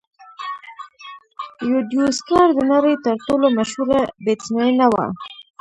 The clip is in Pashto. یوديوسکر د نړۍ تر ټولو مشهوره بیټسمېنه وه.